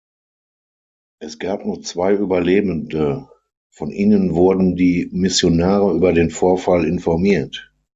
Es gab nur zwei Überlebende; von ihnen wurden die Missionare über den Vorfall informiert.